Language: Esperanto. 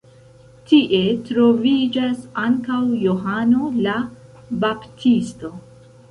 Tie troviĝas ankaŭ Johano la Baptisto.